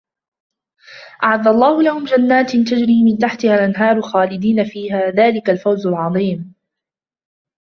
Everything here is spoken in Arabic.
أَعَدَّ اللَّهُ لَهُمْ جَنَّاتٍ تَجْرِي مِنْ تَحْتِهَا الْأَنْهَارُ خَالِدِينَ فِيهَا ذَلِكَ الْفَوْزُ الْعَظِيمُ